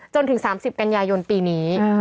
จนถึง๓๐กันยายนปีนี้